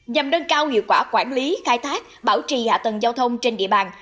nhằm nâng cao hiệu quả quản lý khai thác bảo trì hạ tầng giao thông trên địa bàn